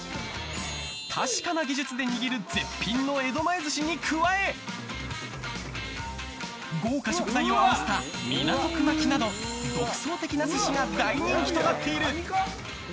確かな技術で握る絶品の江戸前寿司に加え豪華食材を合わせた港区巻きなど独創的な寿司が大人気となっている。